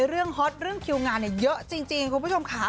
ฮอตเรื่องคิวงานเยอะจริงคุณผู้ชมค่ะ